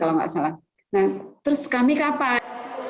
nah terus kami kapan